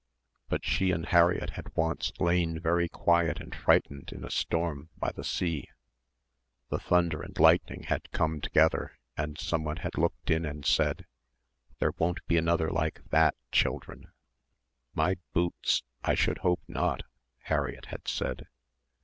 But she and Harriett had once lain very quiet and frightened in a storm by the sea the thunder and lightning had come together and someone had looked in and said, "There won't be another like that, children." "My boots, I should hope not," Harriett had said.